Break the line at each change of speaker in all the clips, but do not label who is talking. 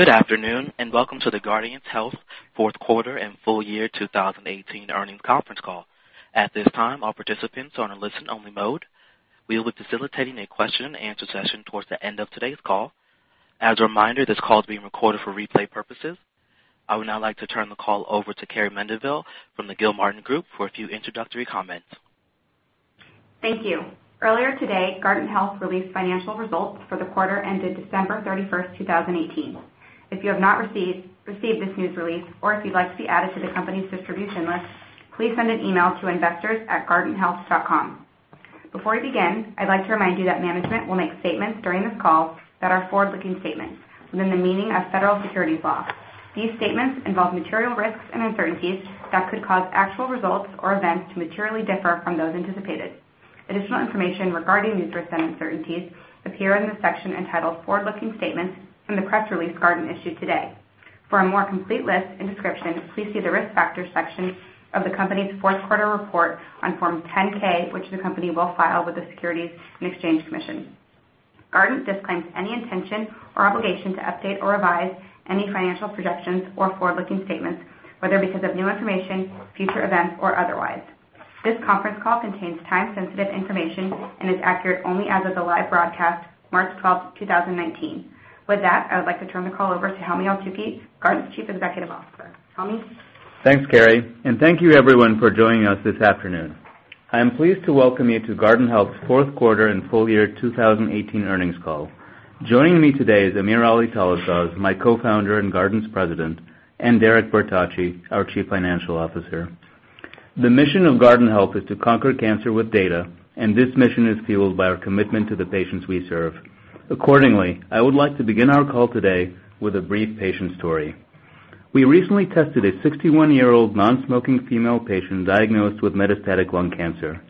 Good afternoon, welcome to the Guardant Health fourth quarter and full year 2018 earnings conference call. At this time, all participants are in a listen-only mode. We will be facilitating a question and answer session towards the end of today's call. As a reminder, this call is being recorded for replay purposes. I would now like to turn the call over to Carrie Mendivil from the Gilmartin Group for a few introductory comments.
Thank you. Earlier today, Guardant Health released financial results for the quarter ended December 31st, 2018. If you have not received this news release, or if you'd like to be added to the company's distribution list, please send an email to investors@guardanthealth.com. Before we begin, I'd like to remind you that management will make statements during this call that are forward-looking statements within the meaning of federal securities law. These statements involve material risks and uncertainties that could cause actual results or events to materially differ from those anticipated. Additional information regarding these risks and uncertainties appear in the section entitled Forward-Looking Statements in the press release Guardant issued today. For a more complete list and description, please see the Risk Factors section of the company's fourth quarter report on Form 10-K, which the company will file with the Securities and Exchange Commission. Guardant disclaims any intention or obligation to update or revise any financial projections or forward-looking statements, whether because of new information, future events, or otherwise. This conference call contains time-sensitive information and is accurate only as of the live broadcast, March 12th, 2019. With that, I would like to turn the call over to Helmy Eltoukhy, Guardant's Chief Executive Officer. Helmy?
Thanks, Carrie, thank you, everyone, for joining us this afternoon. I am pleased to welcome you to Guardant Health's fourth quarter and full year 2018 earnings call. Joining me today is AmirAli Talasaz, my co-founder and Guardant's President, and Derek Bertocci, our Chief Financial Officer. The mission of Guardant Health is to conquer cancer with data, and this mission is fueled by our commitment to the patients we serve. Accordingly, I would like to begin our call today with a brief patient story. We recently tested a 61-year-old non-smoking female patient diagnosed with metastatic lung cancer.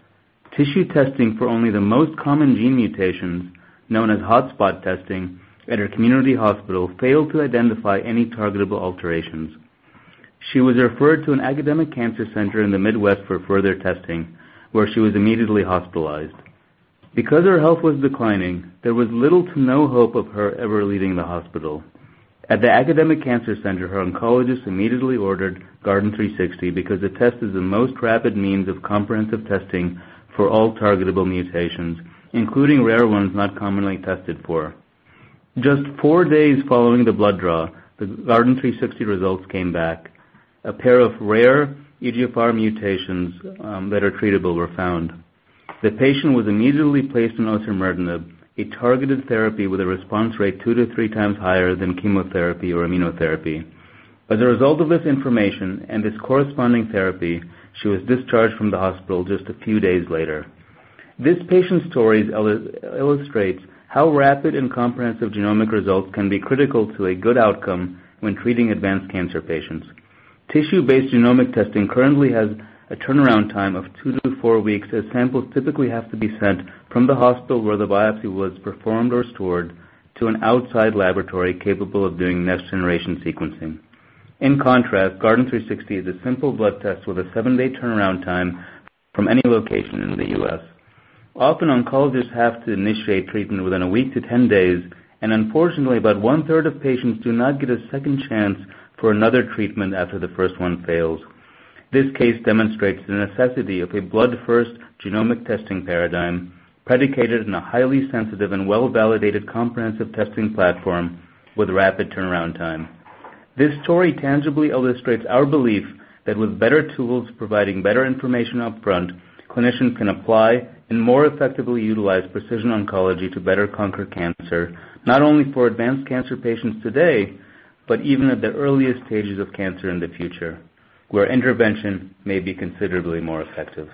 Tissue testing for only the most common gene mutations, known as hotspot testing, at her community hospital failed to identify any targetable alterations. She was referred to an academic cancer center in the Midwest for further testing, where she was immediately hospitalized. Because her health was declining, there was little to no hope of her ever leaving the hospital. At the academic cancer center, her oncologist immediately ordered Guardant360 because the test is the most rapid means of comprehensive testing for all targetable mutations, including rare ones not commonly tested for. Just four days following the blood draw, the Guardant360 results came back. A pair of rare EGFR mutations that are treatable were found. The patient was immediately placed on osimertinib, a targeted therapy with a response rate 2 to 3 times higher than chemotherapy or immunotherapy. As a result of this information and this corresponding therapy, she was discharged from the hospital just a few days later. This patient story illustrates how rapid and comprehensive genomic results can be critical to a good outcome when treating advanced cancer patients. Tissue-based genomic testing currently has a turnaround time of 2 to 4 weeks, as samples typically have to be sent from the hospital where the biopsy was performed or stored to an outside laboratory capable of doing next-generation sequencing. In contrast, Guardant360 is a simple blood test with a 7-day turnaround time from any location in the U.S. Often, oncologists have to initiate treatment within a week to 10 days, and unfortunately, about one-third of patients do not get a second chance for another treatment after the first one fails. This case demonstrates the necessity of a blood-first genomic testing paradigm predicated on a highly sensitive and well-validated comprehensive testing platform with rapid turnaround time. This story tangibly illustrates our belief that with better tools providing better information upfront, clinicians can apply and more effectively utilize precision oncology to better conquer cancer, not only for advanced cancer patients today, but even at the earliest stages of cancer in the future, where intervention may be considerably more effective.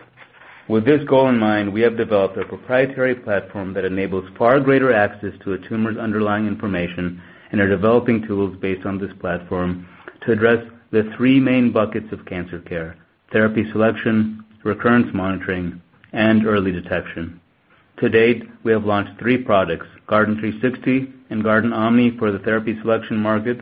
With this goal in mind, we have developed a proprietary platform that enables far greater access to a tumor's underlying information and are developing tools based on this platform to address the three main buckets of cancer care, therapy selection, recurrence monitoring, and early detection. To date, we have launched three products, Guardant360 and GuardantOMNI for the therapy selection market,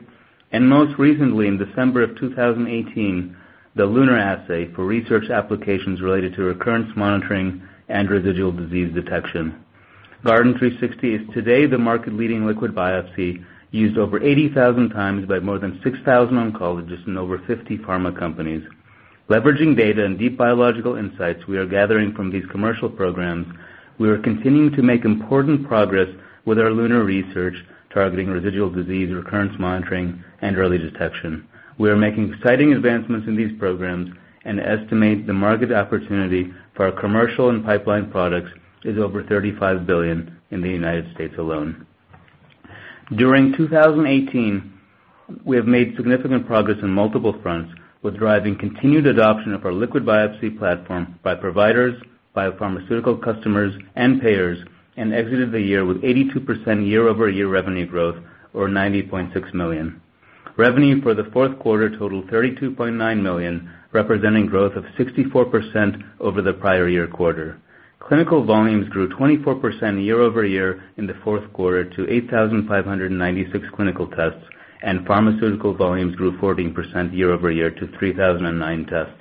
and most recently, in December of 2018, the LUNAR assay for research applications related to recurrence monitoring and residual disease detection. Guardant360 is today the market-leading liquid biopsy used over 80,000 times by more than 6,000 oncologists and over 50 pharma companies. Leveraging data and deep biological insights we are gathering from these commercial programs, we are continuing to make important progress with our LUNAR research targeting residual disease recurrence monitoring and early detection. We are making exciting advancements in these programs and estimate the market opportunity for our commercial and pipeline products is over $35 billion in the United States alone. During 2018, we have made significant progress on multiple fronts with driving continued adoption of our liquid biopsy platform by providers, biopharmaceutical customers, and payers, and exited the year with 82% year-over-year revenue growth or $90.6 million. Revenue for the fourth quarter totaled $32.9 million, representing growth of 64% over the prior year quarter. Clinical volumes grew 24% year-over-year in the fourth quarter to 8,596 clinical tests, and pharmaceutical volumes grew 14% year-over-year to 3,009 tests.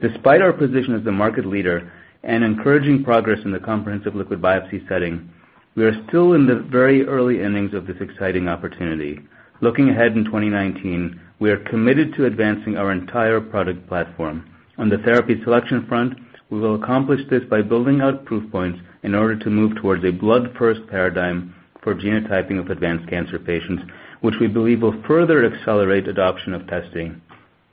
Despite our position as the market leader and encouraging progress in the comprehensive liquid biopsy setting, we are still in the very early innings of this exciting opportunity. Looking ahead in 2019, we are committed to advancing our entire product platform. On the therapy selection front, we will accomplish this by building out proof points in order to move towards a blood-first paradigm for genotyping of advanced cancer patients, which we believe will further accelerate adoption of testing.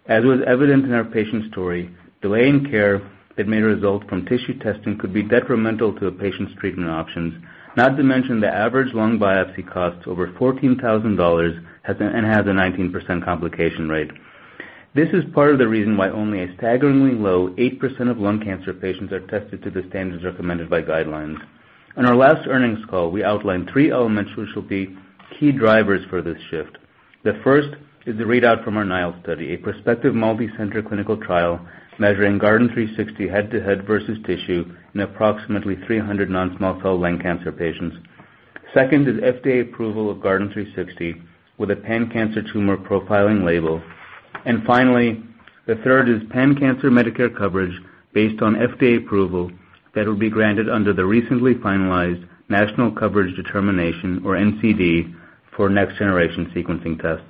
As was evident in our patient story, delay in care that may result from tissue testing could be detrimental to a patient's treatment options. Not to mention, the average lung biopsy costs over $14,000 and has a 19% complication rate. This is part of the reason why only a staggeringly low 8% of lung cancer patients are tested to the standards recommended by guidelines. In our last earnings call, we outlined three elements which will be key drivers for this shift. The first is the readout from our NILE study, a prospective multi-center clinical trial measuring Guardant360 head-to-head versus tissue in approximately 300 non-small cell lung cancer patients. Second is FDA approval of Guardant360 with a pan-cancer tumor profiling label. Finally, the third is pan-cancer Medicare coverage based on FDA approval that will be granted under the recently finalized National Coverage Determination, or NCD, for next-generation sequencing tests.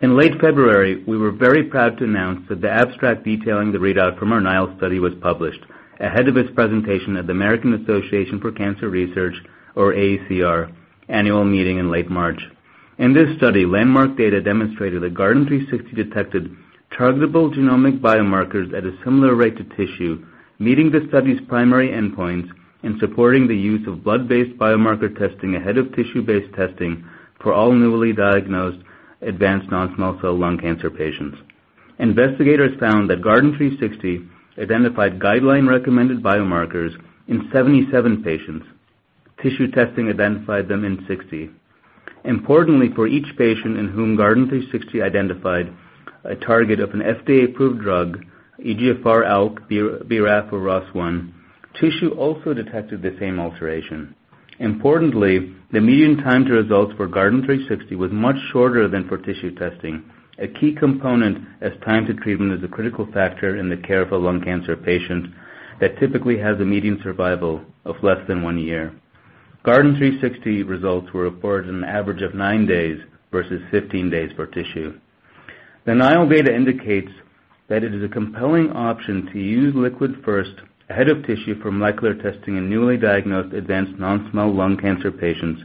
In late February, we were very proud to announce that the abstract detailing the readout from our NILE study was published ahead of its presentation at the American Association for Cancer Research, or AACR, annual meeting in late March. In this study, landmark data demonstrated that Guardant360 detected targetable genomic biomarkers at a similar rate to tissue, meeting the study's primary endpoints and supporting the use of blood-based biomarker testing ahead of tissue-based testing for all newly diagnosed advanced non-small cell lung cancer patients. Investigators found that Guardant360 identified guideline-recommended biomarkers in 77 patients. Tissue testing identified them in 60. Importantly, for each patient in whom Guardant360 identified a target of an FDA-approved drug, EGFR, ALK, BRAF, or ROS1, tissue also detected the same alteration. Importantly, the median time to results for Guardant360 was much shorter than for tissue testing, a key component as time to treatment is a critical factor in the care of a lung cancer patient that typically has a median survival of less than one year. Guardant360 results were reported an average of nine days versus 15 days for tissue. The NILE data indicates that it is a compelling option to use liquid first ahead of tissue for molecular testing in newly diagnosed advanced non-small cell lung cancer patients,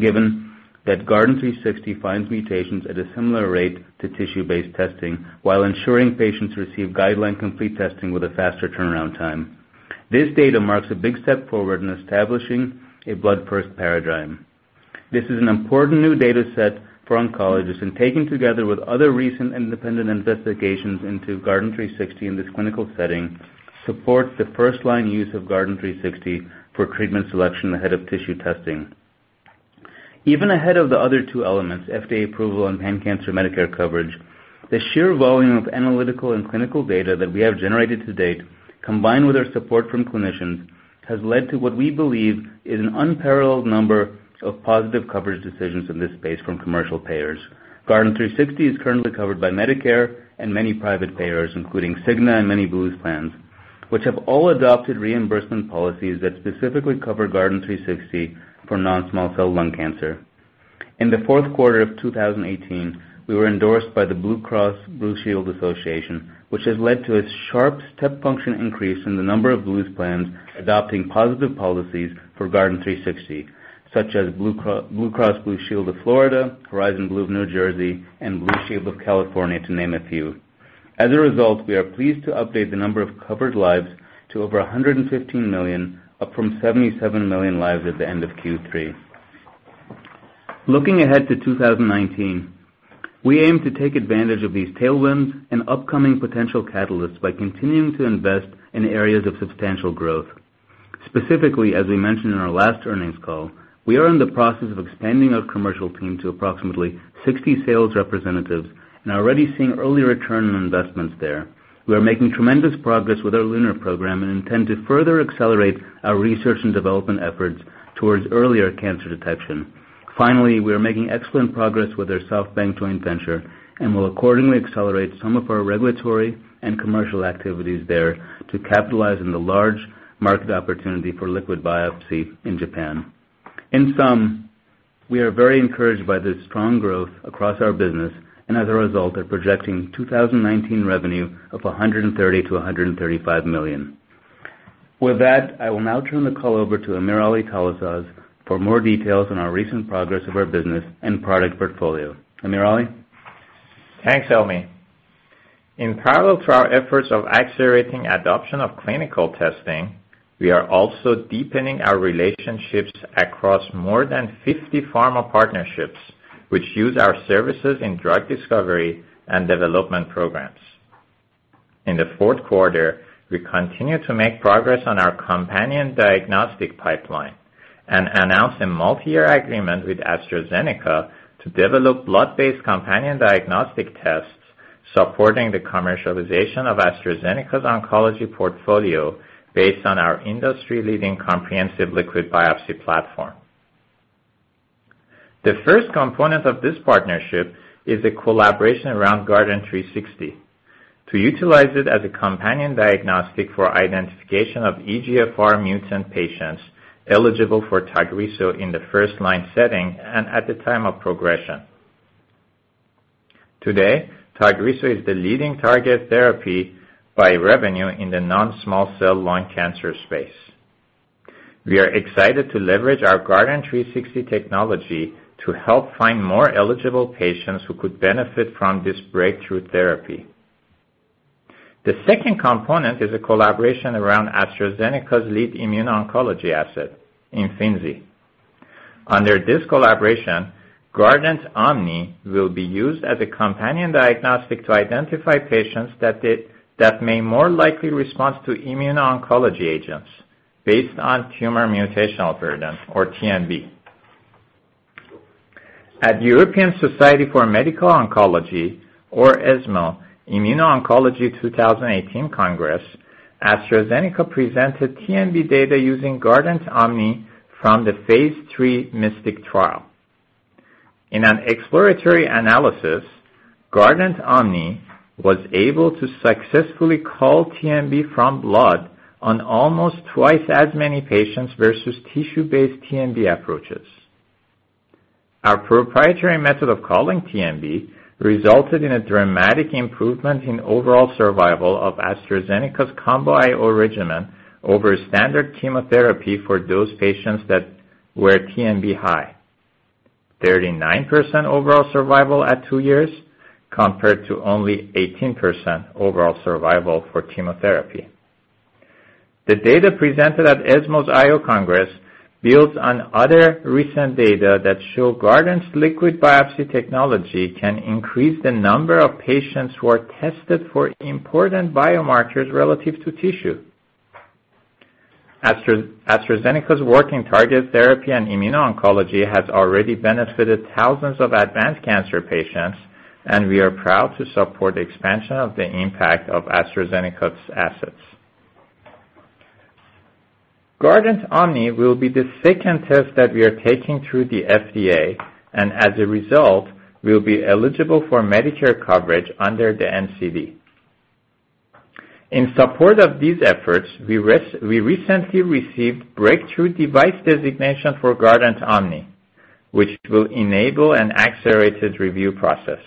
given that Guardant360 finds mutations at a similar rate to tissue-based testing while ensuring patients receive guideline-complete testing with a faster turnaround time. This data marks a big step forward in establishing a blood-first paradigm. This is an important new data set for oncologists and, taken together with other recent independent investigations into Guardant360 in this clinical setting, supports the first-line use of Guardant360 for treatment selection ahead of tissue testing. Even ahead of the other two elements, FDA approval and pan-cancer Medicare coverage, the sheer volume of analytical and clinical data that we have generated to date, combined with our support from clinicians, has led to what we believe is an unparalleled number of positive coverage decisions in this space from commercial payers. Guardant360 is currently covered by Medicare and many private payers, including Cigna and many Blues plans, which have all adopted reimbursement policies that specifically cover Guardant360 for non-small cell lung cancer. In the fourth quarter of 2018, we were endorsed by the Blue Cross Blue Shield Association, which has led to a sharp step function increase in the number of Blues plans adopting positive policies for Guardant360, such as Blue Cross Blue Shield of Florida, Horizon Blue of New Jersey, and Blue Shield of California, to name a few. As a result, we are pleased to update the number of covered lives to over 115 million, up from 77 million lives at the end of Q3. Looking ahead to 2019, we aim to take advantage of these tailwinds and upcoming potential catalysts by continuing to invest in areas of substantial growth. Specifically, as we mentioned in our last earnings call, we are in the process of expanding our commercial team to approximately 60 sales representatives and are already seeing early return on investments there. We are making tremendous progress with our LUNAR program and intend to further accelerate our research and development efforts towards earlier cancer detection. Finally, we are making excellent progress with our SoftBank joint venture and will accordingly accelerate some of our regulatory and commercial activities there to capitalize on the large market opportunity for liquid biopsy in Japan. In sum, we are very encouraged by the strong growth across our business and as a result are projecting 2019 revenue of $130 million to $135 million. With that, I will now turn the call over to AmirAli Talasaz for more details on our recent progress of our business and product portfolio. AmirAli?
Thanks, Helmy. In parallel to our efforts of accelerating adoption of clinical testing, we are also deepening our relationships across more than 50 pharma partnerships, which use our services in drug discovery and development programs. In the fourth quarter, we continued to make progress on our companion diagnostic pipeline and announced a multi-year agreement with AstraZeneca to develop blood-based companion diagnostic tests supporting the commercialization of AstraZeneca's oncology portfolio based on our industry-leading comprehensive liquid biopsy platform. The first component of this partnership is a collaboration around Guardant360 to utilize it as a companion diagnostic for identification of EGFR mutant patients eligible for TAGRISSO in the first-line setting and at the time of progression. Today, TAGRISSO is the leading target therapy by revenue in the non-small cell lung cancer space. We are excited to leverage our Guardant360 technology to help find more eligible patients who could benefit from this breakthrough therapy. The second component is a collaboration around AstraZeneca's lead immuno-oncology asset, IMFINZI. Under this collaboration, GuardantOMNI will be used as a companion diagnostic to identify patients that may more likely respond to immuno-oncology agents based on tumor mutational burden, or TMB. At European Society for Medical Oncology, or ESMO, Immuno-oncology 2018 Congress, AstraZeneca presented TMB data using GuardantOMNI from the phase III MYSTIC trial. In an exploratory analysis, GuardantOMNI was able to successfully call TMB from blood on almost twice as many patients versus tissue-based TMB approaches. Our proprietary method of calling TMB resulted in a dramatic improvement in overall survival of AstraZeneca's combo IO regimen over standard chemotherapy for those patients that were TMB high. 39% overall survival at two years, compared to only 18% overall survival for chemotherapy. The data presented at ESMO's IO Congress builds on other recent data that show Guardant's liquid biopsy technology can increase the number of patients who are tested for important biomarkers relative to tissue. AstraZeneca's working target therapy and immuno-oncology has already benefited thousands of advanced cancer patients. We are proud to support the expansion of the impact of AstraZeneca's assets. GuardantOMNI will be the second test that we are taking through the FDA. As a result, will be eligible for Medicare coverage under the NCD. In support of these efforts, we recently received breakthrough device designation for GuardantOMNI, which will enable an accelerated review process.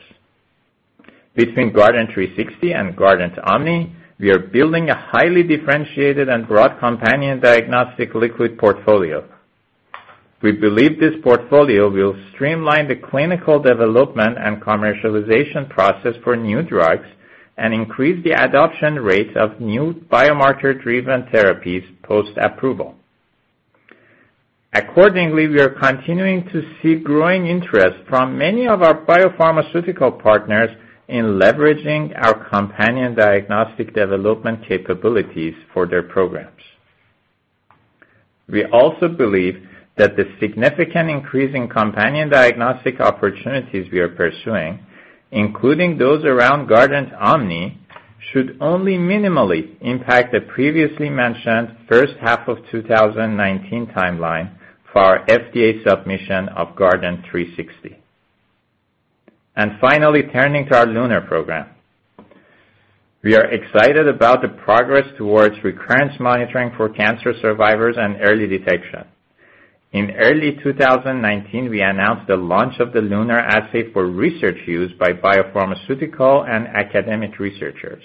Between Guardant360 and GuardantOMNI, we are building a highly differentiated and broad companion diagnostic liquid portfolio. We believe this portfolio will streamline the clinical development and commercialization process for new drugs and increase the adoption rate of new biomarker-driven therapies post-approval. Accordingly, we are continuing to see growing interest from many of our biopharmaceutical partners in leveraging our companion diagnostic development capabilities for their programs. We also believe that the significant increase in companion diagnostic opportunities we are pursuing, including those around GuardantOMNI, should only minimally impact the previously mentioned first half of 2019 timeline for our FDA submission of Guardant360. Finally, turning to our LUNAR program. We are excited about the progress towards recurrence monitoring for cancer survivors and early detection. In early 2019, we announced the launch of the LUNAR assay for research use by biopharmaceutical and academic researchers.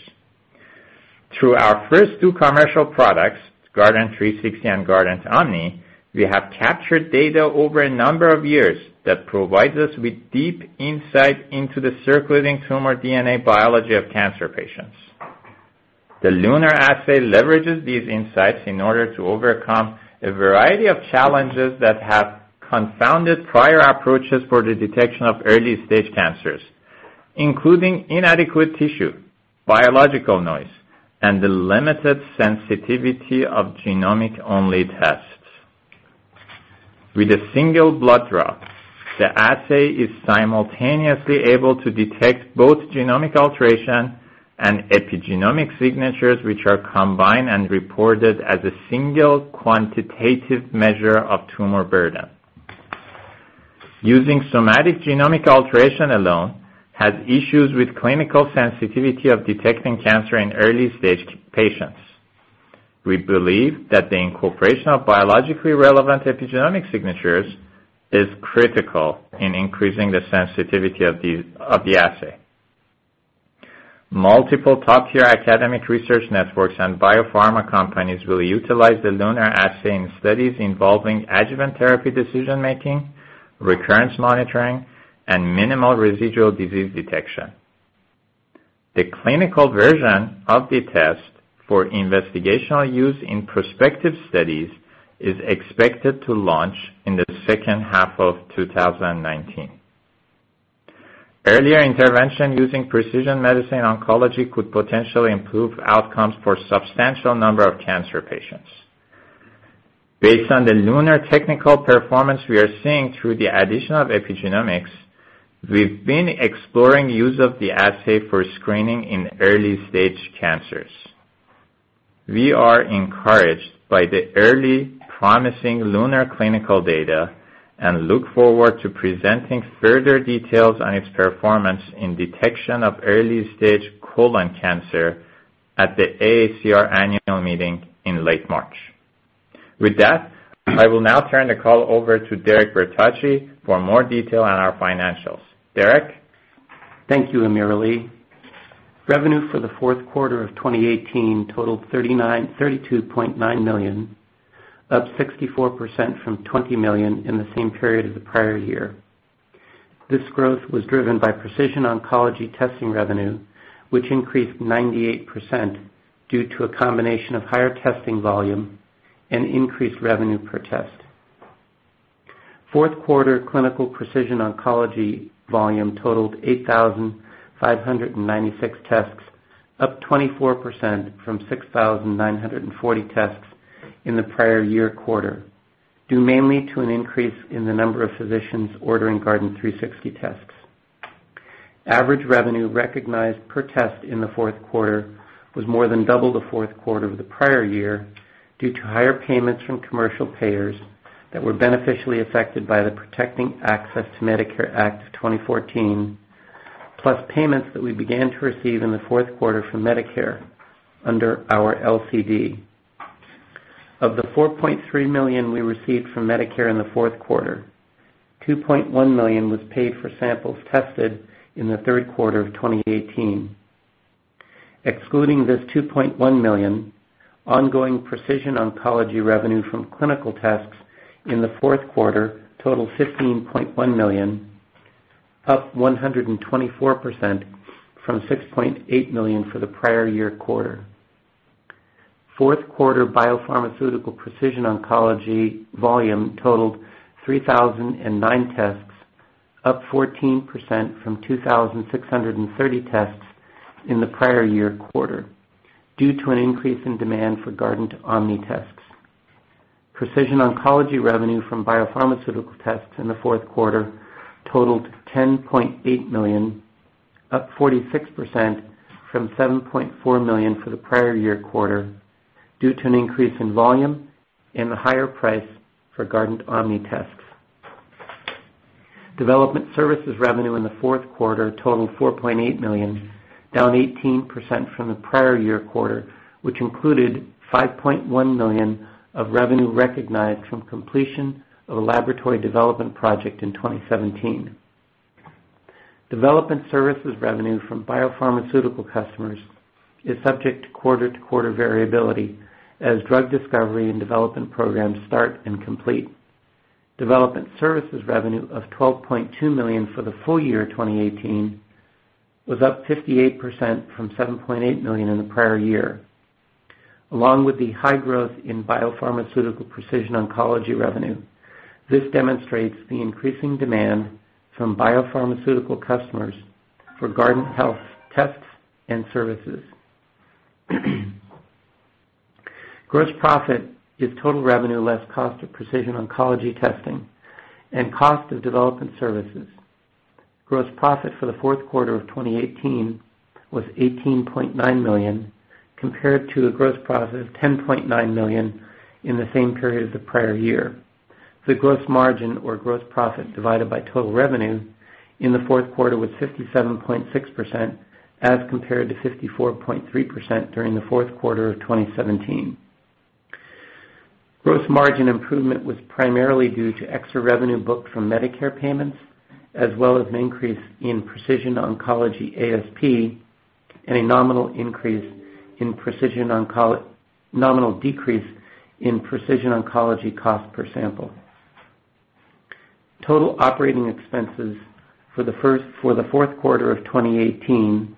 Through our first two commercial products, Guardant360 and GuardantOMNI, we have captured data over a number of years that provides us with deep insight into the circulating tumor DNA biology of cancer patients. The LUNAR assay leverages these insights in order to overcome a variety of challenges that have confounded prior approaches for the detection of early-stage cancers, including inadequate tissue, biological noise, and the limited sensitivity of genomic-only tests. With a single blood draw, the assay is simultaneously able to detect both genomic alteration and epigenomic signatures, which are combined and reported as a single quantitative measure of tumor burden. Using somatic genomic alteration alone has issues with clinical sensitivity of detecting cancer in early-stage patients. We believe that the incorporation of biologically relevant epigenomic signatures is critical in increasing the sensitivity of the assay. Multiple top-tier academic research networks and biopharma companies will utilize the LUNAR assay in studies involving adjuvant therapy decision-making, recurrence monitoring, and minimal residual disease detection. The clinical version of the test for investigational use in prospective studies is expected to launch in the second half of 2019. Earlier intervention using precision medicine oncology could potentially improve outcomes for substantial number of cancer patients. Based on the LUNAR technical performance we are seeing through the addition of epigenomics, we've been exploring use of the assay for screening in early-stage cancers. We are encouraged by the early promising LUNAR clinical data and look forward to presenting further details on its performance in detection of early stage colon cancer at the AACR annual meeting in late March. With that, I will now turn the call over to Derek Bertocci for more detail on our financials. Derek?
Thank you, AmirAli. Revenue for the fourth quarter of 2018 totaled $32.9 million, up 64% from $20 million in the same period as the prior year. This growth was driven by precision oncology testing revenue, which increased 98% due to a combination of higher testing volume and increased revenue per test. Fourth quarter clinical precision oncology volume totaled 8,596 tests, up 24% from 6,940 tests in the prior year quarter, due mainly to an increase in the number of physicians ordering Guardant360 tests. Average revenue recognized per test in the fourth quarter was more than double the fourth quarter of the prior year due to higher payments from commercial payers that were beneficially affected by the Protecting Access to Medicare Act of 2014, plus payments that we began to receive in the fourth quarter from Medicare under our LCD. Of the $4.3 million we received from Medicare in the fourth quarter, $2.1 million was paid for samples tested in the third quarter of 2018. Excluding this $2.1 million, ongoing precision oncology revenue from clinical tests in the fourth quarter totaled $15.1 million, up 124% from $6.8 million for the prior year quarter. Fourth quarter biopharmaceutical precision oncology volume totaled 3,009 tests, up 14% from 2,630 tests in the prior year quarter due to an increase in demand for GuardantOMNI tests. Precision oncology revenue from biopharmaceutical tests in the fourth quarter totaled $10.8 million, up 46% from $7.4 million for the prior year quarter due to an increase in volume and the higher price for GuardantOMNI tests. Development services revenue in the fourth quarter totaled $4.8 million, down 18% from the prior year quarter, which included $5.1 million of revenue recognized from completion of a laboratory development project in 2017. Development services revenue from biopharmaceutical customers is subject to quarter-to-quarter variability as drug discovery and development programs start and complete. Development services revenue of $12.2 million for the full year 2018 was up 58% from $7.8 million in the prior year. Along with the high growth in biopharmaceutical precision oncology revenue, this demonstrates the increasing demand from biopharmaceutical customers for Guardant Health tests and services. Gross profit is total revenue less cost of precision oncology testing and cost of development services. Gross profit for the fourth quarter of 2018 was $18.9 million, compared to a gross profit of $10.9 million in the same period as the prior year. The gross margin or gross profit divided by total revenue in the fourth quarter was 57.6%, as compared to 54.3% during the fourth quarter of 2017. Gross margin improvement was primarily due to extra revenue booked from Medicare payments, as well as an increase in precision oncology ASP and a nominal decrease in precision oncology cost per sample. Total operating expenses for the fourth quarter of 2018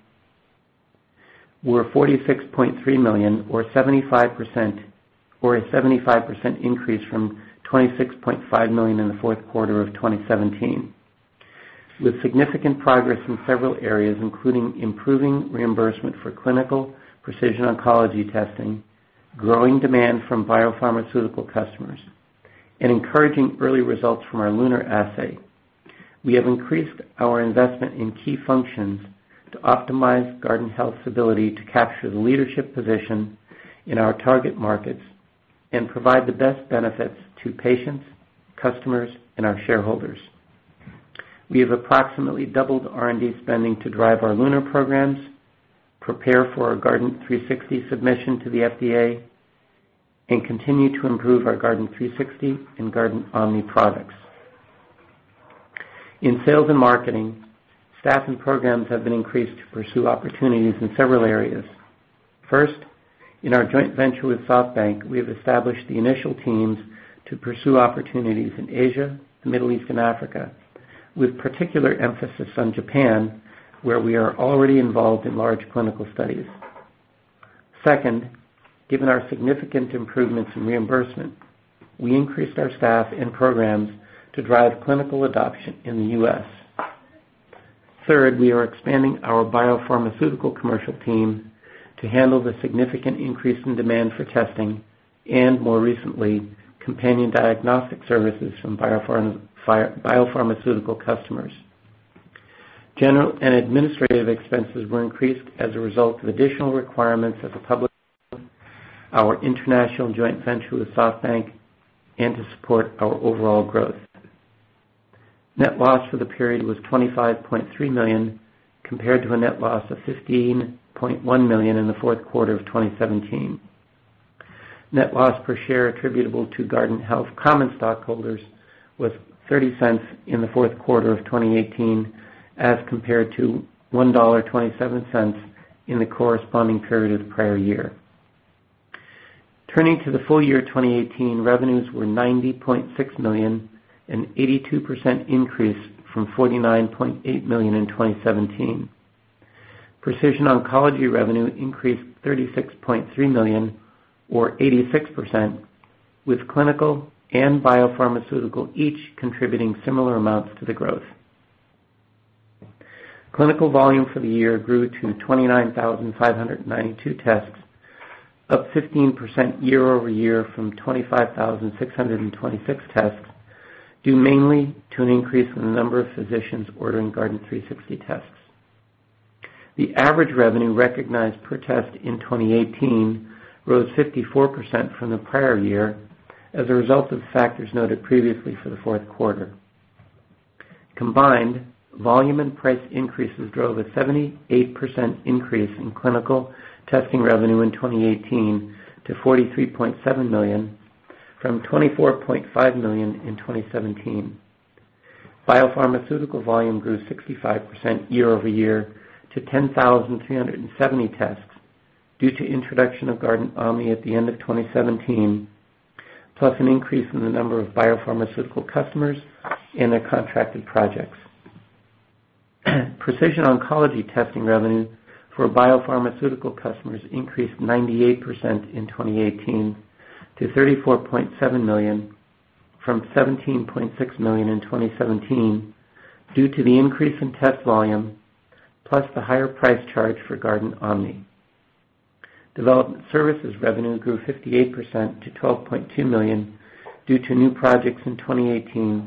were $46.3 million or a 75% increase from $26.5 million in the fourth quarter of 2017. With significant progress in several areas, including improving reimbursement for clinical precision oncology testing, growing demand from biopharmaceutical customers, and encouraging early results from our LUNAR assay, we have increased our investment in key functions to optimize Guardant Health's ability to capture the leadership position in our target markets and provide the best benefits to patients, customers, and our shareholders. We have approximately doubled R&D spending to drive our LUNAR programs, prepare for our Guardant360 submission to the FDA, and continue to improve our Guardant360 and GuardantOMNI products. In sales and marketing, staff and programs have been increased to pursue opportunities in several areas. First, in our joint venture with SoftBank, we have established the initial teams to pursue opportunities in Asia, the Middle East, and Africa, with particular emphasis on Japan, where we are already involved in large clinical studies. Second, given our significant improvements in reimbursement, we increased our staff and programs to drive clinical adoption in the U.S. Third, we are expanding our biopharmaceutical commercial team to handle the significant increase in demand for testing and more recently, companion diagnostic services from biopharmaceutical customers. General and administrative expenses were increased as a result of additional requirements as a public our international joint venture with SoftBank, and to support our overall growth. Net loss for the period was $25.3 million, compared to a net loss of $15.1 million in the fourth quarter of 2017. Net loss per share attributable to Guardant Health common stockholders was $0.30 in the fourth quarter of 2018, as compared to $1.27 in the corresponding period of the prior year. Turning to the full year 2018, revenues were $90.6 million, an 82% increase from $49.8 million in 2017. Precision oncology revenue increased $36.3 million, or 86%, with clinical and biopharmaceutical each contributing similar amounts to the growth. Clinical volume for the year grew to 29,592 tests, up 15% year-over-year from 25,626 tests, due mainly to an increase in the number of physicians ordering Guardant360 tests. The average revenue recognized per test in 2018 rose 54% from the prior year as a result of factors noted previously for the fourth quarter. Combined, volume and price increases drove a 78% increase in clinical testing revenue in 2018 to $43.7 million, from $24.5 million in 2017. Biopharmaceutical volume grew 65% year-over-year to 10,370 tests due to introduction of GuardantOMNI at the end of 2017, plus an increase in the number of biopharmaceutical customers and their contracted projects. Precision oncology testing revenue for biopharmaceutical customers increased 98% in 2018 to $34.7 million, from $17.6 million in 2017, due to the increase in test volume, plus the higher price charge for GuardantOMNI. Development services revenue grew 58% to $12.2 million due to new projects in 2018,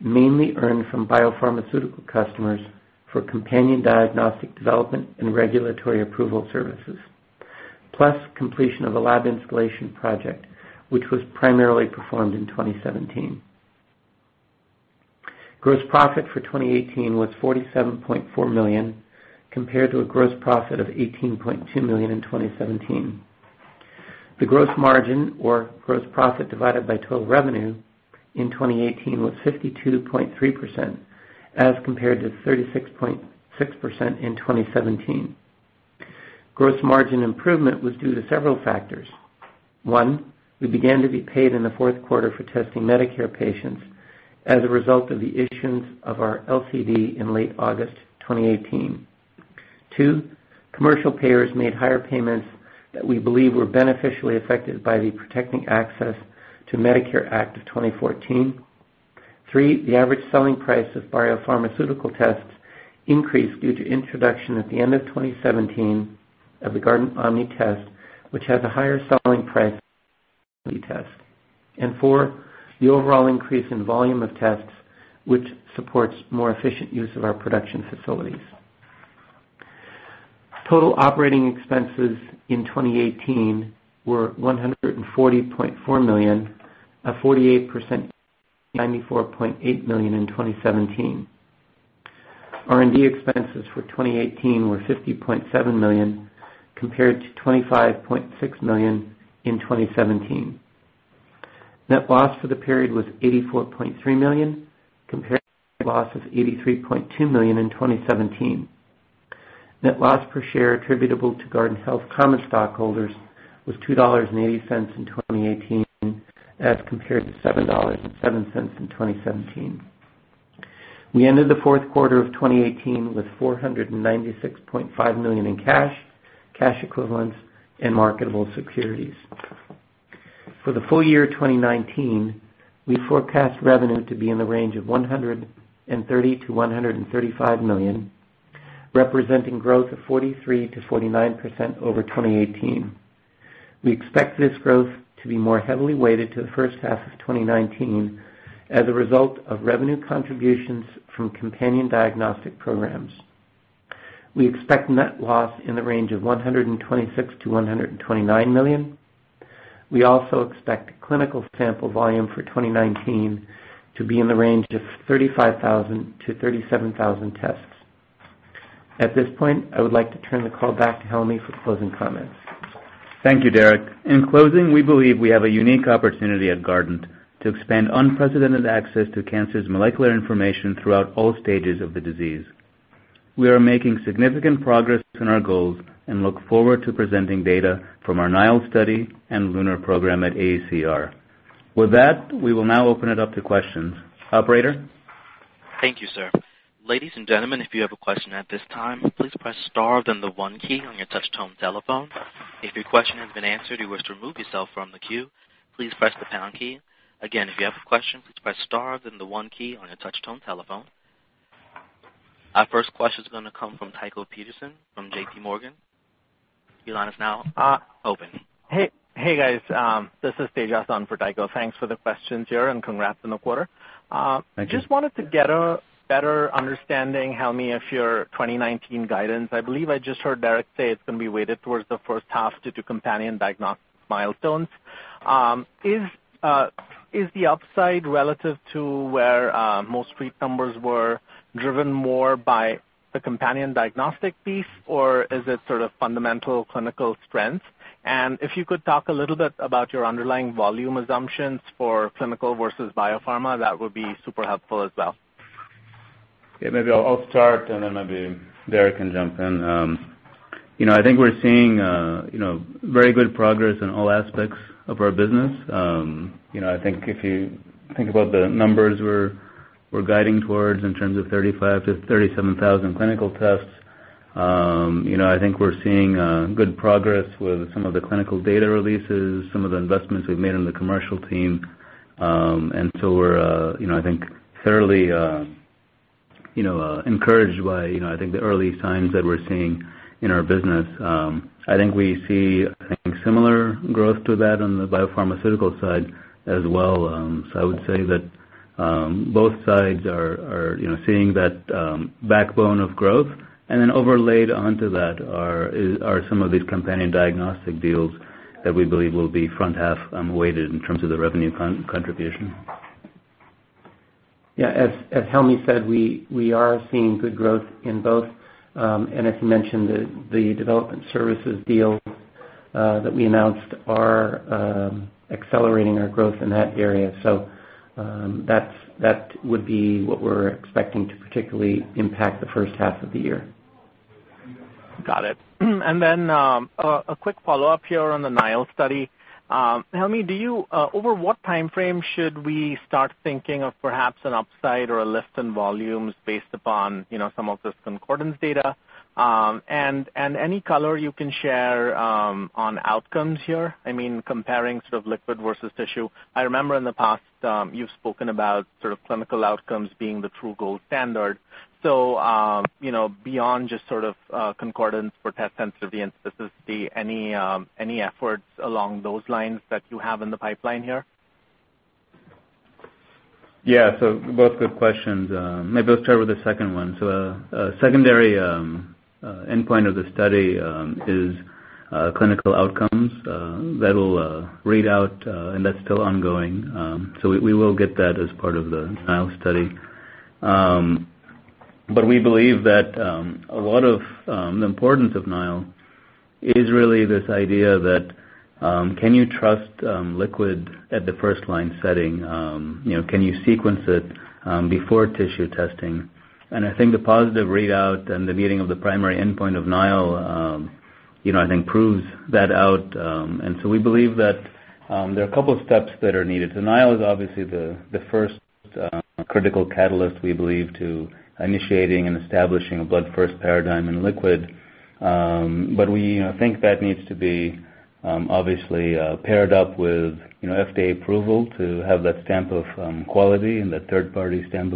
mainly earned from biopharmaceutical customers for companion diagnostic development and regulatory approval services, plus completion of a lab installation project, which was primarily performed in 2017. Gross profit for 2018 was $47.4 million, compared to a gross profit of $18.2 million in 2017. The gross margin, or gross profit divided by total revenue, in 2018 was 52.3%, as compared to 36.6% in 2017. Gross margin improvement was due to several factors. One, we began to be paid in the fourth quarter for testing Medicare patients as a result of the issuance of our LCD in late August 2018. Two, commercial payers made higher payments that we believe were beneficially affected by the Protecting Access to Medicare Act of 2014. Three, the average selling price of biopharmaceutical tests increased due to introduction at the end of 2017 of the GuardantOMNI, which has a higher selling price test. Four, the overall increase in volume of tests, which supports more efficient use of our production facilities. Total operating expenses in 2018 were $140.4 million, a 48% $94.8 million in 2017. R&D expenses for 2018 were $50.7 million, compared to $25.6 million in 2017. Net loss for the period was $84.3 million, compared to a net loss of $83.2 million in 2017. Net loss per share attributable to Guardant Health common stockholders was $2.80 in 2018, as compared to $7.07 in 2017. We ended the fourth quarter of 2018 with $496.5 million in cash equivalents, and marketable securities. For the full year 2019, we forecast revenue to be in the range of $130 million-$135 million, representing growth of 43%-49% over 2018. We expect this growth to be more heavily weighted to the first half of 2019 as a result of revenue contributions from companion diagnostic programs. We expect net loss in the range of $126 million-$129 million. We also expect clinical sample volume for 2019 to be in the range of 35,000-37,000 tests. At this point, I would like to turn the call back to Helmy for closing comments.
Thank you, Derek. In closing, we believe we have a unique opportunity at Guardant to expand unprecedented access to cancer's molecular information throughout all stages of the disease. We are making significant progress on our goals and look forward to presenting data from our NILE study and LUNAR program at AACR. With that, we will now open it up to questions. Operator?
Thank you, sir. Ladies and gentlemen, if you have a question at this time, please press star, then the 1 key on your touch-tone telephone. If your question has been answered and you wish to remove yourself from the queue, please press the pound key. Again, if you have a question, please press star, then the 1 key on your touch-tone telephone. Our first question is going to come from Tycho Peterson from JPMorgan. Your line is now open.
Hey, guys. This is Tejas on for Tycho. Thanks for the questions here and congrats on the quarter.
Thank you.
Just wanted to get a better understanding, Helmy, of your 2019 guidance. I believe I just heard Derek say it's going to be weighted towards the first half due to companion diagnostic milestones. Is the upside relative to where most street numbers were driven more by the companion diagnostic piece, or is it sort of fundamental clinical strengths? If you could talk a little bit about your underlying volume assumptions for clinical versus biopharma, that would be super helpful as well.
Maybe I'll start and then maybe Derek can jump in. I think we're seeing very good progress in all aspects of our business. I think if you think about the numbers we're guiding towards in terms of 35,000 to 37,000 clinical tests. I think we're seeing good progress with some of the clinical data releases, some of the investments we've made on the commercial team. We're I think fairly encouraged by, I think the early signs that we're seeing in our business. I think we see, I think, similar growth to that on the biopharmaceutical side as well. I would say that both sides are seeing that backbone of growth, and then overlaid onto that are some of these companion diagnostic deals that we believe will be front-half weighted in terms of the revenue contribution.
As Helmy said, we are seeing good growth in both. As he mentioned, the development services deals that we announced are accelerating our growth in that area. That would be what we're expecting to particularly impact the first half of the year.
Got it. Then, a quick follow-up here on the NILE study. Helmy, over what time frame should we start thinking of perhaps an upside or a lift in volumes based upon some of this concordance data? Any color you can share on outcomes here, comparing sort of liquid versus tissue. I remember in the past, you've spoken about sort of clinical outcomes being the true gold standard. Beyond just sort of concordance for test sensitivity and specificity, any efforts along those lines that you have in the pipeline here?
Both good questions. Maybe I'll start with the second one. Secondary endpoint of the study is clinical outcomes. That'll read out, and that's still ongoing. We will get that as part of the NILE study. We believe that a lot of the importance of NILE is really this idea that, can you trust liquid at the first line setting? Can you sequence it before tissue testing? I think the positive readout and the meeting of the primary endpoint of NILE I think proves that out. We believe that there are a couple of steps that are needed. NILE is obviously the first critical catalyst, we believe, to initiating and establishing a blood first paradigm in liquid. We think that needs to be obviously paired up with FDA approval to have that stamp of quality and that third-party stamp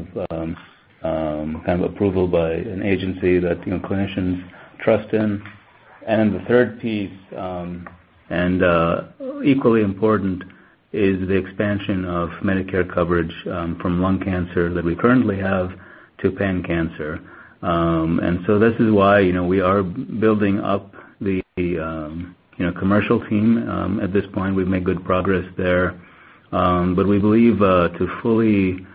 of approval by an agency that clinicians trust in. The third piece, and equally important, is the expansion of Medicare coverage from lung cancer that we currently have to pan-cancer. This is why we are building up the commercial team. At this point, we've made good progress there. We believe to fully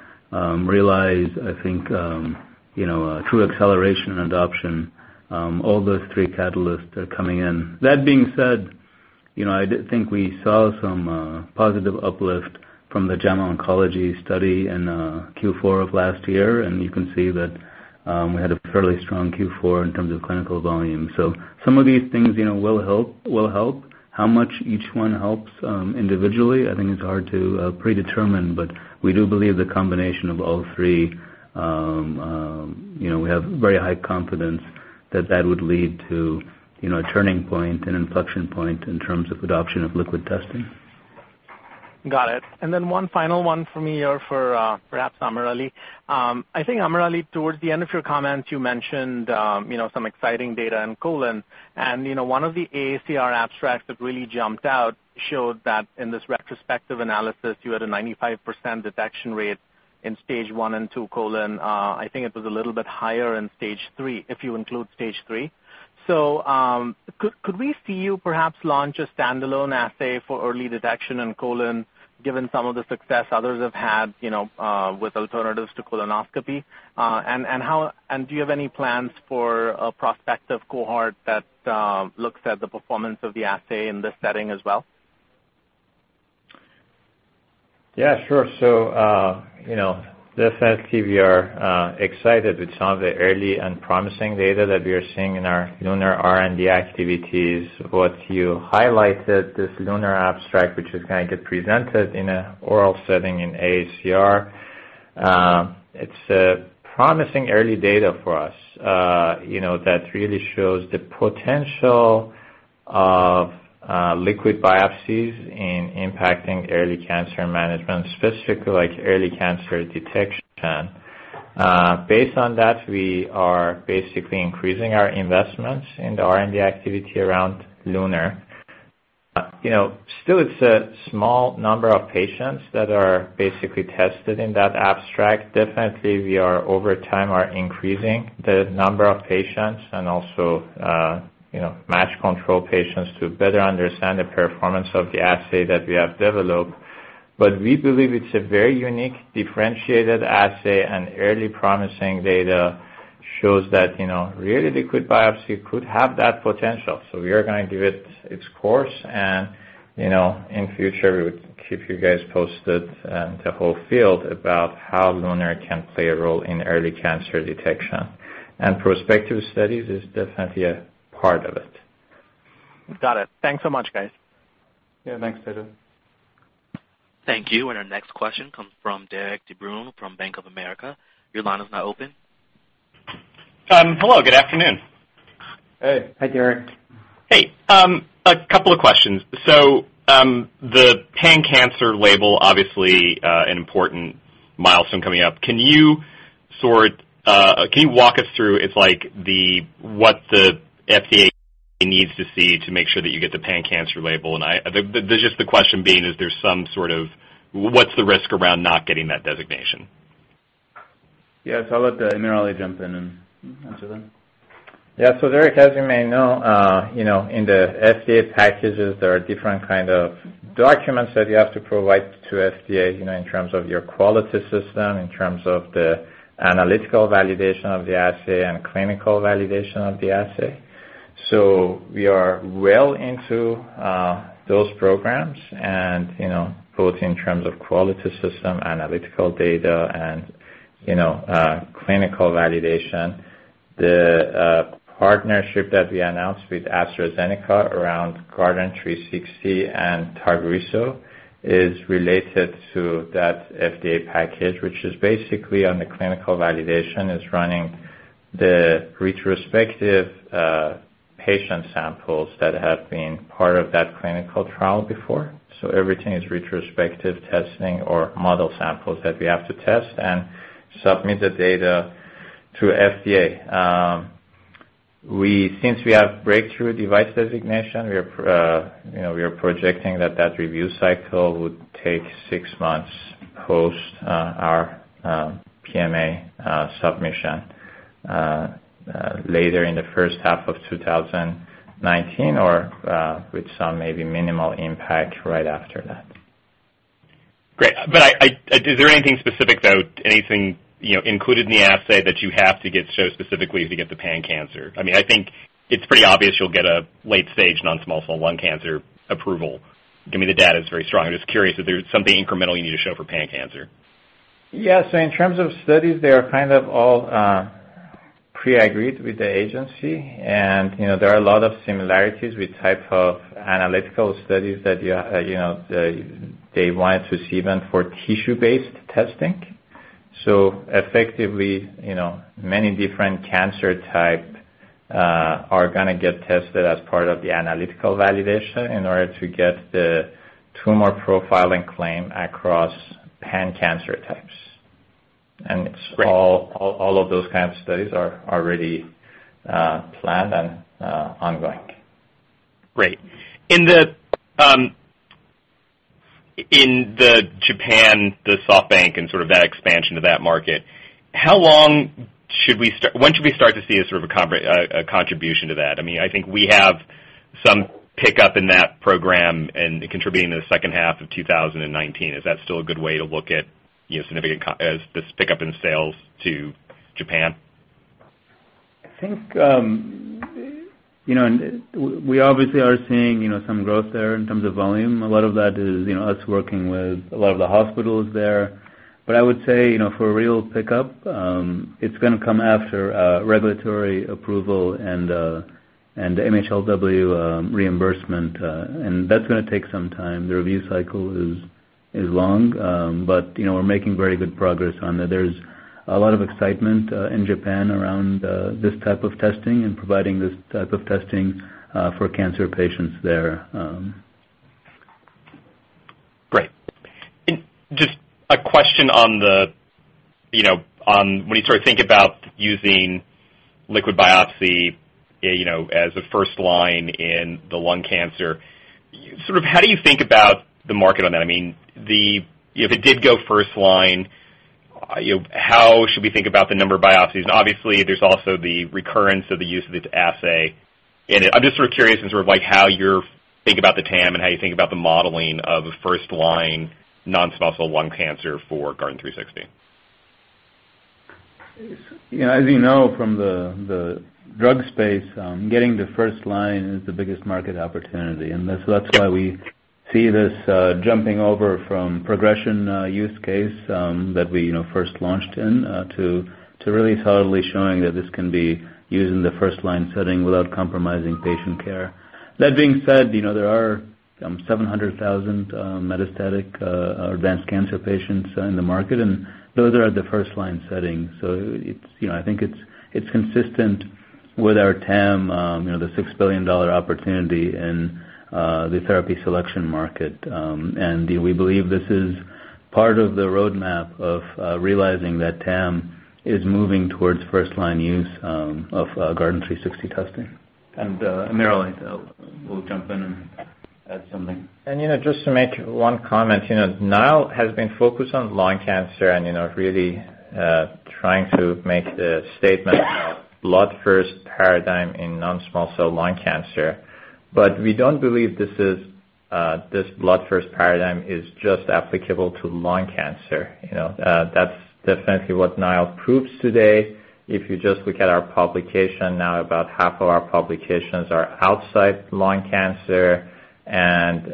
realize, I think true acceleration and adoption, all those three catalysts are coming in. That being said, I did think we saw some positive uplift from the JAMA Oncology study in Q4 of last year, and you can see that we had a fairly strong Q4 in terms of clinical volume. Some of these things will help. How much each one helps individually, I think is hard to predetermine, we do believe the combination of all three. We have very high confidence that that would lead to a turning point, an inflection point in terms of adoption of liquid testing.
Got it. One final one from me, or for perhaps AmirAli. I think, AmirAli, towards the end of your comments, you mentioned some exciting data in colon. One of the AACR abstracts that really jumped out showed that in this retrospective analysis, you had a 95% detection rate in stage 1 and 2 colon. I think it was a little bit higher in stage 3, if you include stage 3. Could we see you perhaps launch a standalone assay for early detection in colon, given some of the success others have had with alternatives to colonoscopy? Do you have any plans for a prospective cohort that looks at the performance of the assay in this setting as well?
Yeah, sure. The FS-TVR, excited with some of the early and promising data that we are seeing in our LUNAR R&D activities. What you highlighted, this LUNAR abstract, which is going to get presented in an oral setting in AACR. It's a promising early data for us that really shows the potential Liquid biopsies in impacting early cancer management, specifically early cancer detection. Based on that, we are basically increasing our investments in the R&D activity around LUNAR. Still, it's a small number of patients that are basically tested in that abstract. Definitely, we are over time increasing the number of patients and also match control patients to better understand the performance of the assay that we have developed. We believe it's a very unique, differentiated assay and early promising data shows that really liquid biopsy could have that potential. We are going to give it its course and, in future, we would keep you guys posted, and the whole field, about how LUNAR can play a role in early cancer detection. Prospective studies is definitely a part of it.
Got it. Thanks so much, guys. Yeah. Thanks, Tejas.
Thank you. Our next question comes from Derik De Bruin from Bank of America. Your line is now open.
Hello, good afternoon.
Hey. Hi, Derik.
Hey. A couple of questions. The pan-cancer label, obviously, an important milestone coming up. Can you walk us through what the FDA needs to see to make sure that you get the pan-cancer label? The question being, what's the risk around not getting that designation?
Yes, I'll let AmirAli jump in and answer that.
Derik, as you may know, in the FDA packages, there are different kind of documents that you have to provide to FDA in terms of your quality system, in terms of the analytical validation of the assay and clinical validation of the assay. We are well into those programs and both in terms of quality system, analytical data, and clinical validation. The partnership that we announced with AstraZeneca around Guardant360 and TAGRISSO is related to that FDA package, which is basically on the clinical validation. It's running the retrospective patient samples that have been part of that clinical trial before. Everything is retrospective testing or model samples that we have to test and submit the data to FDA. Since we have breakthrough device designation, we are projecting that that review cycle would take six months post our PMA submission later in the first half of 2019 or with some maybe minimal impact right after that.
Great. Is there anything specific, though, anything included in the assay that you have to get shown specifically to get the pan-cancer? I think it's pretty obvious you'll get a late-stage non-small cell lung cancer approval, given the data is very strong. I'm just curious if there's something incremental you need to show for pan-cancer.
Yeah. In terms of studies, they are all pre-agreed with the agency and there are a lot of similarities with type of analytical studies that they wanted to see even for tissue-based testing. Effectively, many different cancer type are going to get tested as part of the analytical validation in order to get the tumor profiling claim across pan-cancer types.
Great.
All of those kinds of studies are already planned and ongoing.
Great. In the Japan, the SoftBank, and sort of that expansion to that market, when should we start to see a contribution to that? I think we have some pickup in that program and contributing to the second half of 2019. Is that still a good way to look at this pickup in sales to Japan?
I think we obviously are seeing some growth there in terms of volume. A lot of that is us working with a lot of the hospitals there. I would say for a real pickup, it's going to come after regulatory approval and MHLW reimbursement. That's going to take some time. The review cycle is long, but we're making very good progress on that. There's a lot of excitement in Japan around this type of testing and providing this type of testing for cancer patients there.
Great. Just a question on when you sort of think about using liquid biopsy as a first-line in the lung cancer. How do you think about the market on that? If it did go first-line, how should we think about the number of biopsies? Obviously, there's also the recurrence of the use of its assay. I'm just sort of curious in how you think about the TAM and how you think about the modeling of a first-line non-small cell lung cancer for Guardant360.
As you know from the drug space, getting the first-line is the biggest market opportunity, that's why we see this jumping over from progression use case that we first launched in to really solidly showing that this can be used in the first-line setting without compromising patient care. That being said, there are 700,000 metastatic or advanced cancer patients in the market, those are the first-line settings. I think it's consistent with our TAM, the $6 billion opportunity in the therapy selection market. We believe this is Part of the roadmap of realizing that TAM is moving towards first-line use of Guardant360 testing. AmirAli will jump in and add something.
Just to make one comment, NILE has been focused on lung cancer and really trying to make the statement of blood first paradigm in non-small cell lung cancer. We don't believe this blood first paradigm is just applicable to lung cancer. That's definitely what NILE proves today. If you just look at our publication, now about half of our publications are outside lung cancer and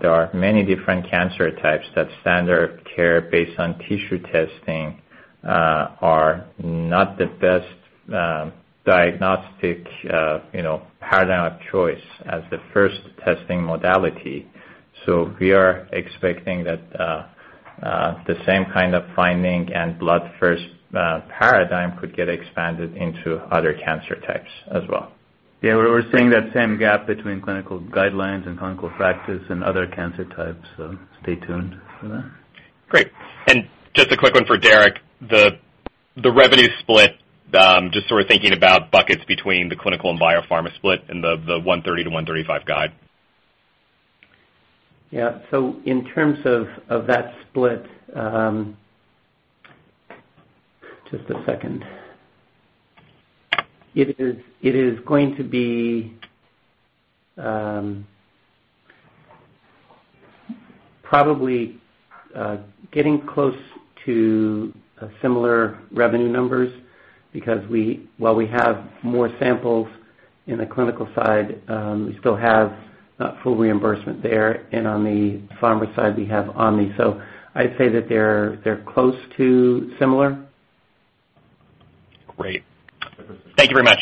there are many different cancer types that standard care based on tissue testing are not the best diagnostic paradigm of choice as the first testing modality. We are expecting that the same kind of finding and blood first paradigm could get expanded into other cancer types as well.
Yeah, we're seeing that same gap between clinical guidelines and clinical practice in other cancer types, so stay tuned for that.
Great. Just a quick one for Derek. The revenue split, just sort of thinking about buckets between the clinical and biopharma split and the $130-$135 guide.
Yeah. In terms of that split, just a second. It is going to be probably getting close to similar revenue numbers because while we have more samples in the clinical side, we still have not full reimbursement there and on the pharma side, we have GuardantOMNI. I'd say that they're close to similar.
Great. Thank you very much.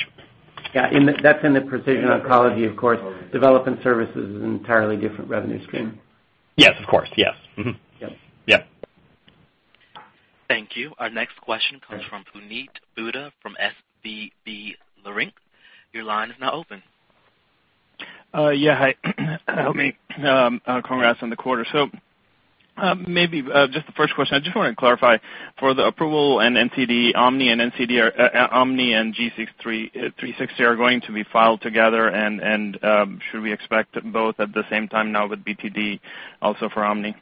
Yeah, that's in the precision oncology, of course. Development services is an entirely different revenue stream.
Yes, of course. Yes.
Yes.
Yeah.
Thank you. Our next question comes from Puneet Souda from SVB Leerink. Your line is now open.
Yeah, hi. How are you? Congrats on the quarter. Maybe just the first question, I just want to clarify for the approval and NCD, Omni and G360 are going to be filed together and should we expect both at the same time now with BTD also for Omni?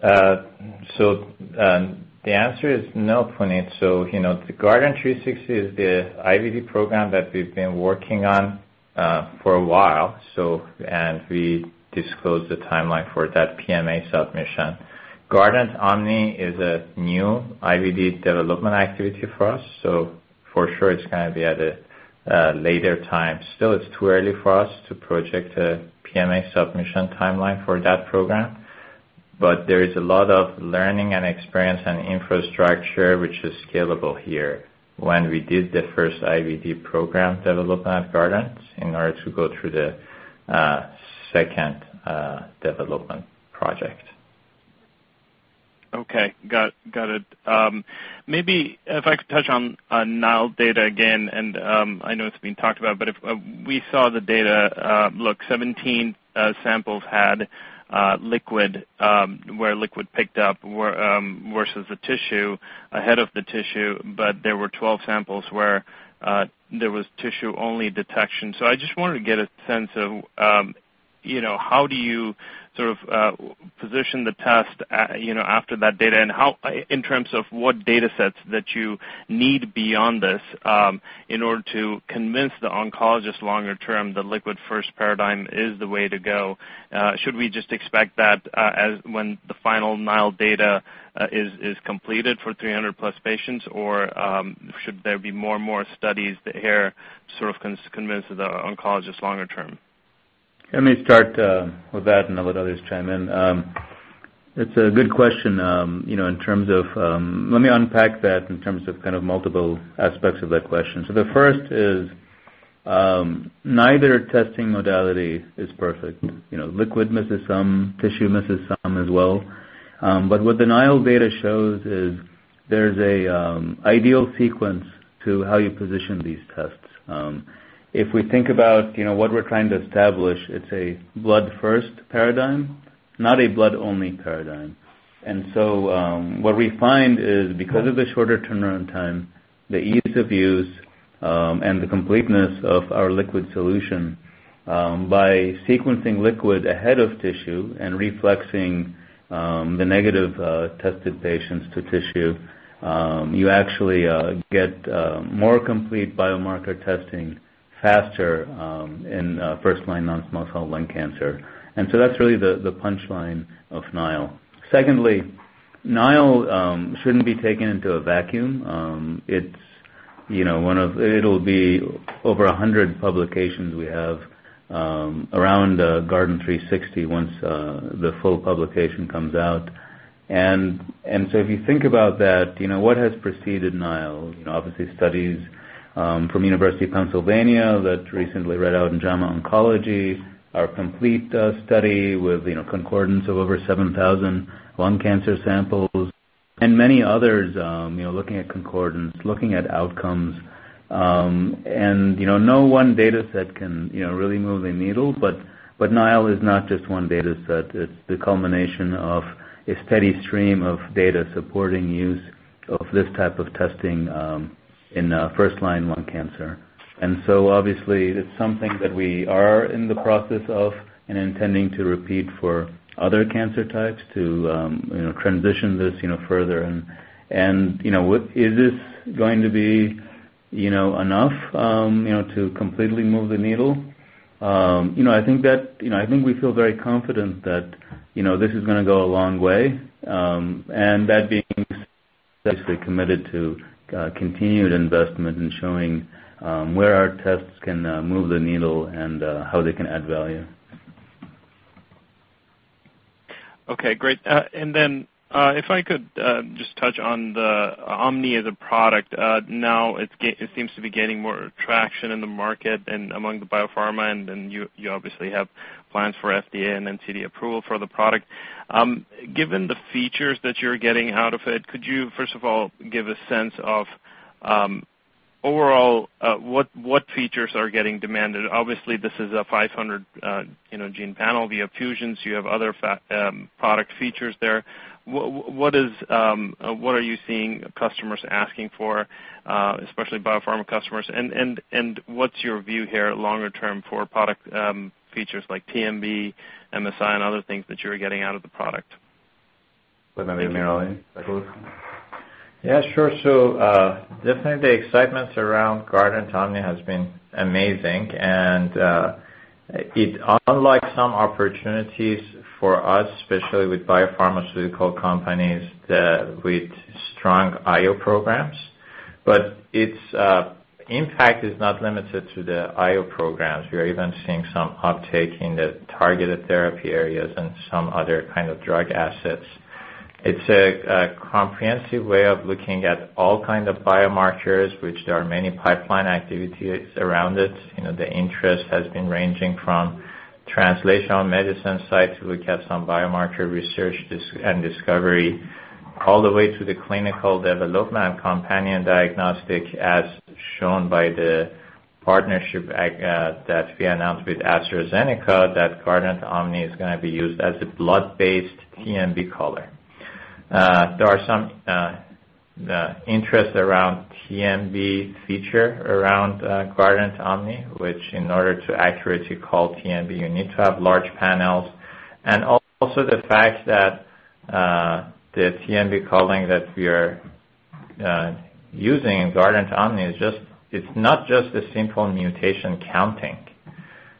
The answer is no, Puneet. The Guardant360 is the IVD program that we've been working on for a while, and we disclosed the timeline for that PMA submission. GuardantOMNI is a new IVD development activity for us. For sure it's going to be at a later time. Still, it's too early for us to project a PMA submission timeline for that program. There is a lot of learning and experience and infrastructure which is scalable here when we did the first IVD program development at Guardant in order to go through the second development project.
Okay. Got it. Maybe if I could touch on NILE data again, and I know it's been talked about, if we saw the data, look, 17 samples had liquid, where liquid picked up versus the tissue ahead of the tissue, there were 12 samples where there was tissue-only detection. I just wanted to get a sense of how do you sort of position the test after that data and in terms of what data sets that you need beyond this in order to convince the oncologist longer term the liquid-first paradigm is the way to go. Should we just expect that when the final NILE data is completed for 300-plus patients or should there be more and more studies here to sort of convince the oncologist longer term?
Let me start with that and I'll let others chime in. It's a good question in terms of multiple aspects of that question. The first is, neither testing modality is perfect. Liquid misses some, tissue misses some as well. What the NILE data shows is there's an ideal sequence to how you position these tests. If we think about what we're trying to establish, it's a blood first paradigm, not a blood only paradigm. What we find is because of the shorter turnaround time, the ease of use, and the completeness of our liquid solution, by sequencing liquid ahead of tissue and reflexing the negative tested patients to tissue, you actually get more complete biomarker testing faster in first-line non-small cell lung cancer. That's really the punchline of NILE. Secondly, NILE shouldn't be taken into a vacuum. It'll be over 100 publications we have around Guardant360 once the full publication comes out. If you think about that, what has preceded NILE? Obviously studies from University of Pennsylvania that recently read out in JAMA Oncology, our complete study with concordance of over 7,000 lung cancer samples. Many others, looking at concordance, looking at outcomes. No one data set can really move the needle, but NILE is not just one data set. It's the culmination of a steady stream of data supporting use of this type of testing in first-line lung cancer. Obviously, it's something that we are in the process of and intending to repeat for other cancer types to transition this further and, is this going to be enough to completely move the needle? I think we feel very confident that this is going to go a long way. That being said, basically committed to continued investment in showing where our tests can move the needle and how they can add value.
Okay, great. If I could just touch on the Omni as a product. Now it seems to be gaining more traction in the market and among the biopharma, then you obviously have plans for FDA and NCD approval for the product. Given the features that you're getting out of it, could you, first of all, give a sense of, overall, what features are getting demanded? Obviously, this is a 500-gene panel. You have fusions, you have other product features there. What are you seeing customers asking for, especially biopharma customers? What's your view here longer term for product features like TMB, MSI, and other things that you're getting out of the product?
Want to maybe, AmirAli, take a look?
Yeah, sure. Definitely the excitement around GuardantOMNI has been amazing and, it unlike some opportunities for us, especially with biopharmaceutical companies with strong IO programs. Its impact is not limited to the IO programs. We are even seeing some uptake in the targeted therapy areas and some other kind of drug assets. It's a comprehensive way of looking at all kind of biomarkers, which there are many pipeline activities around it. The interest has been ranging from translational medicine sites to look at some biomarker research and discovery, all the way to the clinical development companion diagnostic as shown by the partnership that we announced with AstraZeneca, that GuardantOMNI is going to be used as a blood-based TMB caller. There are some interest around TMB feature around GuardantOMNI, which in order to accurately call TMB, you need to have large panels. Also the fact that the TMB calling that we are using in GuardantOMNI is not just a simple mutation counting.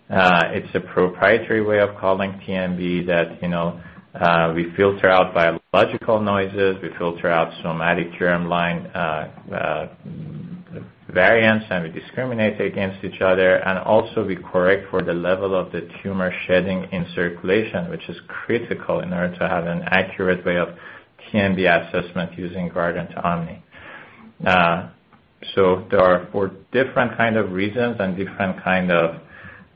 It's a proprietary way of calling TMB that we filter out biological noises, we filter out somatic germline variants, and we discriminate against each other. Also we correct for the level of the tumor shedding in circulation, which is critical in order to have an accurate way of TMB assessment using GuardantOMNI. There are for different kind of reasons and different kind of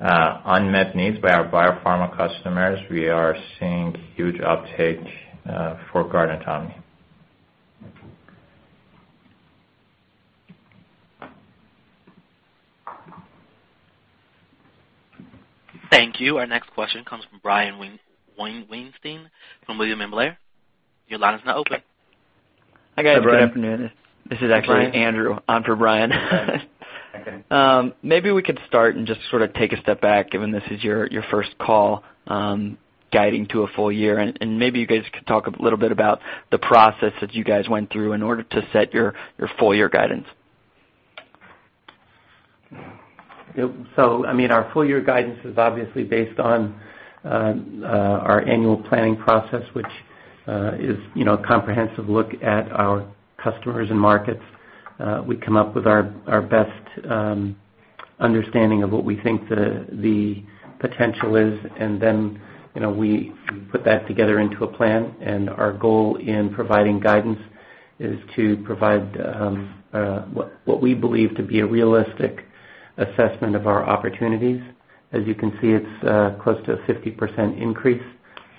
unmet needs by our biopharma customers, we are seeing huge uptake for GuardantOMNI.
Thank you. Our next question comes from Brian Weinstein from William Blair. Your line is now open.
Hi, guys. Good afternoon. This is actually Andrew, on for Brian.
Okay.
Maybe we could start and just sort of take a step back, given this is your first call guiding to a full year, and maybe you guys could talk a little bit about the process that you guys went through in order to set your full year guidance.
Our full year guidance is obviously based on our annual planning process, which is a comprehensive look at our customers and markets. We come up with our best understanding of what we think the potential is, and then we put that together into a plan, and our goal in providing guidance is to provide what we believe to be a realistic assessment of our opportunities. As you can see, it's close to a 50% increase,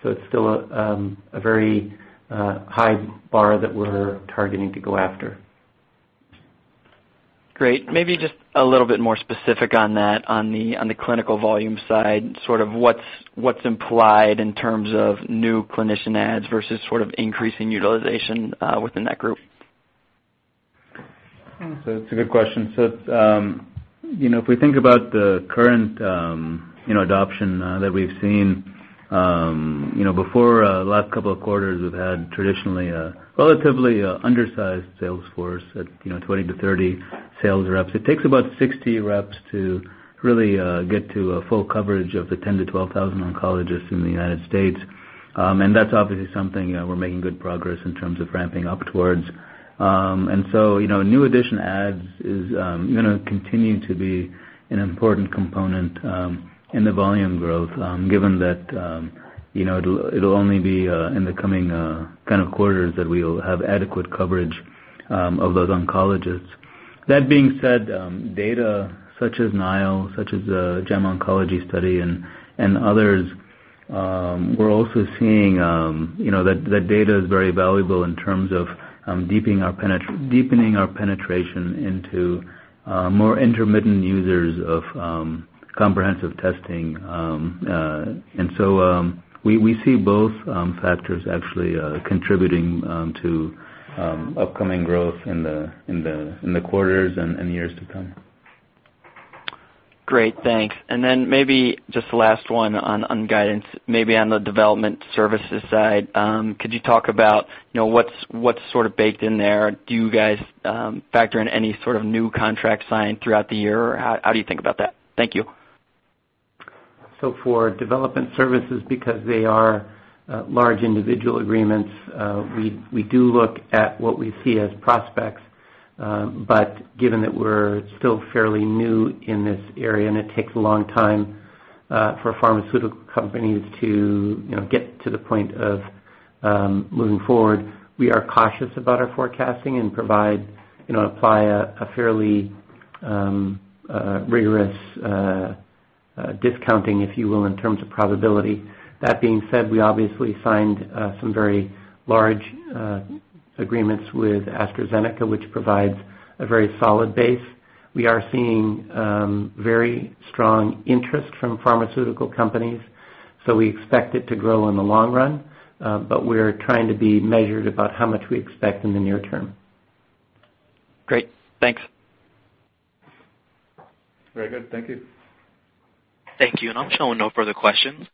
so it's still a very high bar that we're targeting to go after.
Great. Maybe just a little bit more specific on that, on the clinical volume side, sort of what's implied in terms of new clinician adds versus sort of increasing utilization within that group.
It's a good question. If we think about the current adoption that we've seen, before last couple of quarters, we've had traditionally a relatively undersized sales force at 20 to 30 sales reps. It takes about 60 reps to really get to a full coverage of the 10,000 to 12,000 oncologists in the U.S. That's obviously something we're making good progress in terms of ramping up towards. New addition adds is going to continue to be an important component in the volume growth, given that it'll only be in the coming kind of quarters that we'll have adequate coverage of those oncologists. That being said, data such as NILE, such as the JAMA Oncology study and others, we're also seeing that data is very valuable in terms of deepening our penetration into more intermittent users of comprehensive testing. We see both factors actually contributing to upcoming growth in the quarters and years to come.
Great. Thanks. Maybe just the last one on guidance, maybe on the development services side. Could you talk about what's sort of baked in there? Do you guys factor in any sort of new contract signed throughout the year? How do you think about that? Thank you.
For development services, because they are large individual agreements, we do look at what we see as prospects. Given that we're still fairly new in this area and it takes a long time for pharmaceutical companies to get to the point of moving forward, we are cautious about our forecasting and apply a fairly rigorous discounting, if you will, in terms of probability. That being said, we obviously signed some very large agreements with AstraZeneca, which provides a very solid base. We are seeing very strong interest from pharmaceutical companies, so we expect it to grow in the long run. We're trying to be measured about how much we expect in the near term.
Great. Thanks.
Very good. Thank you.
Thank you. I'm showing no further questions.